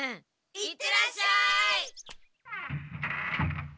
行ってらっしゃい！